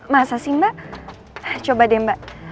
masa sih mbak coba deh mbak